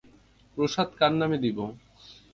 প্রসাদ কার নামে দিবো?